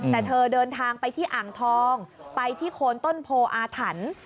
แต่เธอเดินทางไปที่อ่างทองไปที่โคนต้นโพออาถรรพ์